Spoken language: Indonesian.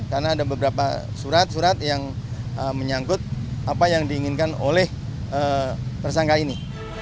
karena ada beberapa surat surat yang menyangkut apa yang diinginkan oleh tersangka ini